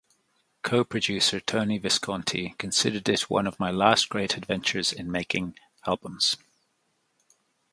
Co-producer Tony Visconti considered it one of my last great adventures in making albums.